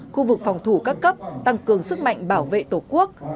khu vực phòng thủ các cấp tăng cường sức mạnh bảo vệ tổ quốc